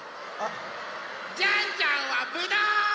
ジャンジャンはぶどう！